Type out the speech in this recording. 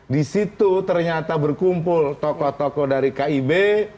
di situ ternyata berkumpul tokoh tokoh dari kib